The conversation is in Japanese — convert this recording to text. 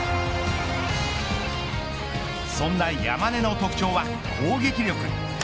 そんな山根の特徴は攻撃力。